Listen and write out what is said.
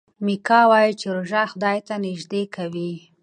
میکا وايي چې روژه خدای ته نژدې کوي.